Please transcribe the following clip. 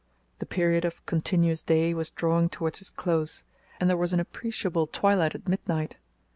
The period of continuous day was drawing towards its close, and there was an appreciable twilight at midnight.